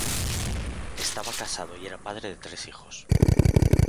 Estaba casado y era padre de tres hijos.